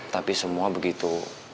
tapi semua begitu